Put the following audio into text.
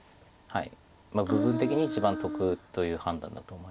部分的に一番得という判断だと思います。